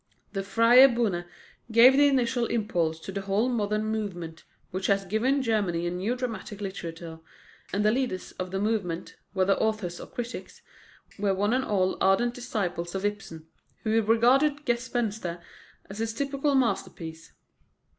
The Freie Bühne gave the initial impulse to the whole modern movement which has given Germany a new dramatic literature; and the leaders of the movement, whether authors or critics, were one and all ardent disciples of Ibsen, who regarded Gespenster as his typical masterpiece.